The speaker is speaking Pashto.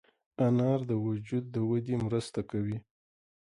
انار د وجود د ودې مرسته کوي.